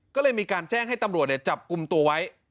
ก็เลยมีการแจ้งให้ตำรวจจับกลุ่มตัวไว้